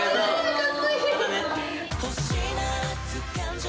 かっこいい。